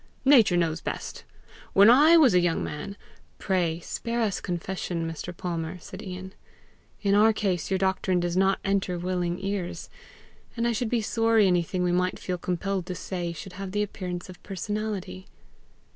Nature knows best! When I was a young man, " "Pray spare us confession, Mr. Palmer," said Ian. "In our case your doctrine does not enter willing ears, and I should be sorry anything we might feel compelled to say, should have the appearance of personality."